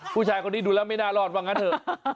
ผู้ชายคนนี้ดูแล้วไม่น่ารอดว่างั้นเถอะ